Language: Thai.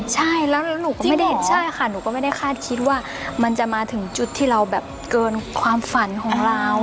ใช่แล้วหนูก็ไม่ได้เห็นใช่ค่ะหนูก็ไม่ได้คาดคิดว่ามันจะมาถึงจุดที่เราแบบเกินความฝันของเรา